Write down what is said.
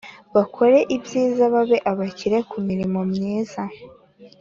Bakore ibyiza babe abakire ku mirimo myiza